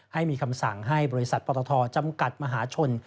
ให้มีคำสั่งให้บริษัทปตทจำกัดมหาชน